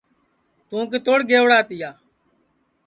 توں کِتوڑ گئوڑا تیا